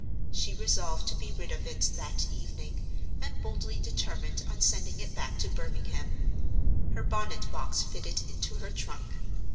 She resolved to be rid of it that evening, and boldly determined on sending it back to Birmingham. Her bonnet box fitted into her trunk.